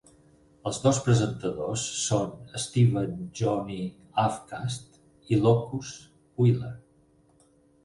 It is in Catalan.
Els dos presentadors són Steven "Johnny" Avkast i Locus Wheeler.